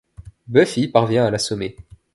Buffy parvient à l'assommer.